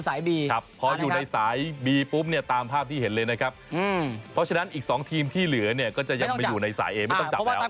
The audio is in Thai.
สวัสดีครับเรื่องของสนามนะครับเกียรติเย็นนะครับเกียรติเย็นนะครับเกียรติเย็นนะครับ